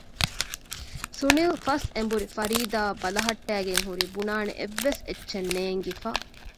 ސުނިލް ފަސް އެނބުރި ފަރީދާއަށް ބަލަހައްޓައިގެން ހުރީ ބުނާނެ އެއްވެސް އެއްޗެއް ނޭންގިފަ